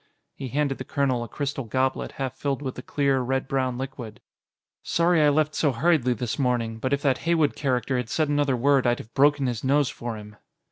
He handed the colonel a crystal goblet half filled with the clear, red brown liquid. "Sorry I left so hurriedly this morning, but if that Heywood character had said another word I'd have broken his nose for him."